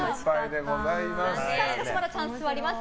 しかしまだチャンスはあります。